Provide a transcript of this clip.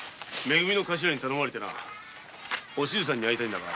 め組のカシラに頼まれてなお静さんに会いたいのだが。